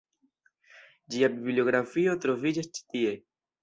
Ĝia bibliografio troviĝas ĉi tie.